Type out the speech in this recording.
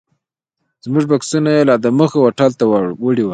زموږ بکسونه یې لا دمخه هوټل ته وړي وو.